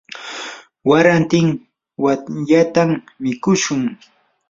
warantin watyatam mikushun.